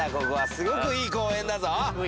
すごくいい公園だぞ。